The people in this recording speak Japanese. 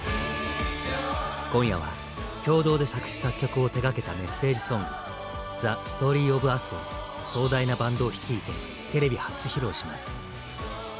今夜は共同で作詞作曲を手がけたメッセージソング「ＴｈｅＳｔｏｒｙｏｆＵｓ」を壮大なバンドを率いてテレビ初披露します。